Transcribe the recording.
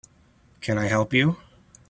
Can I help you?